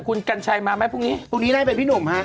คุณกัญชัยมาไหมพรุ่งนี้พรุ่งนี้ไล่ไปพี่หนุ่มฮะ